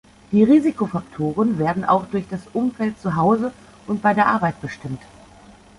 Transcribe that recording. Die Risikofaktoren werden auch durch das Umfeld zu Hause und bei der Arbeit bestimmt.